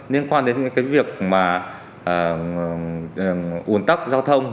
liên quan đến việc uồn tắc giao thông